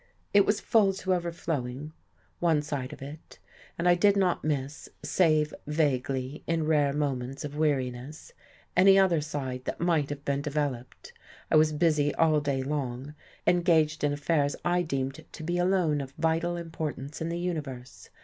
It was full to overflowing one side of it; and I did not miss (save vaguely, in rare moments of weariness) any other side that might have been developed. I was busy all day long, engaged in affairs I deemed to be alone of vital importance in the universe.